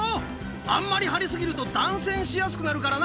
あんまり張り過ぎると断線しやすくなるからな。